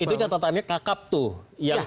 itu catatannya kakap tuh